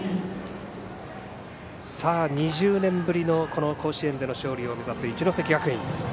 ２０年ぶりの甲子園での勝利を目指す一関学院。